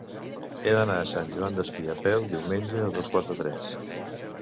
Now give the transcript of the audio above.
He d'anar a Sant Joan Despí a peu diumenge a dos quarts de tres.